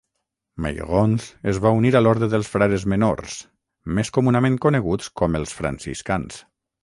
Meyronnes es va unir a l'Orde dels Frares menors, més comunament coneguts com els franciscans.